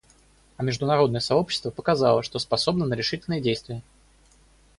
А международное сообщество показало, что способно на решительные действия.